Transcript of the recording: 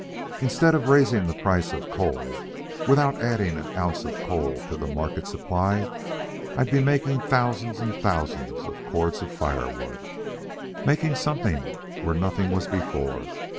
Instead of raising the price of coal without adding an ounce of coal to the market supply, I'd be making thousands and thousands of cords of firewood making something where nothing was before.